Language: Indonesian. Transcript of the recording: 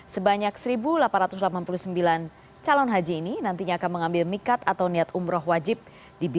sebanyak satu delapan ratus delapan puluh sembilan calon haji ini nantinya akan mengambil mikat atau niat umroh wajib